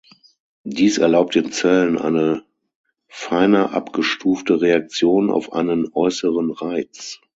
Dies erlaubt den Zellen eine feiner abgestufte Reaktion auf einen äußeren Reiz.